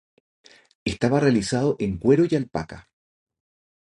Estaba realizado en cuero y alpaca